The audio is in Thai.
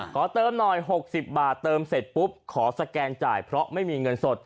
ขอเติมหน่อย๖๐บาทเติมเสร็จปุ๊บขอสแกนจ่ายเพราะไม่มีเงินสด